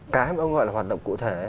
cái mà ông gọi là hoạt động cụ thể